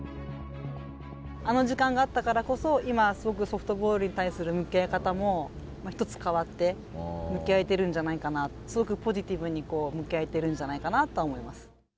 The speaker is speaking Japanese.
あの時間があったからこそ、今、すごくソフトボールに対する向き合い方も一つ変わって、向き合えてるんじゃないかなと、すごくポジティブに向き合えてるんじゃないかなと思います。